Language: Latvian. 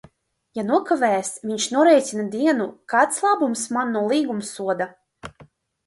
Ja nokavēs viņš norēķina dienu, Kāds labums man no līgumsoda?